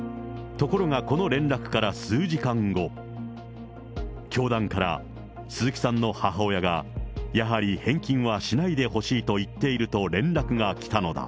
ところがこの連絡から数時間後、教団から鈴木さんの母親が、やはり返金はしないでほしいと言っていると連絡が来たのだ。